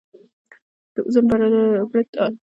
د اوزون پرت الټراوایلټ وړانګې بندوي.